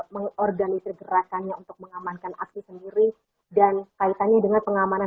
mengorganisir gerakannya untuk mengamankan aksi sendiri dan kaitannya dengan pengamanan